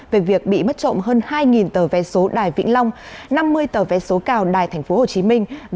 về việc bị mất trộm hơn hai tờ vé số đài vĩnh long năm mươi tờ vé số cao đài tp hcm